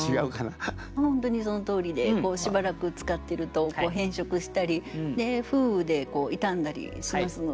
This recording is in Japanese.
本当にそのとおりでしばらく使ってると変色したり風雨で傷んだりしますので。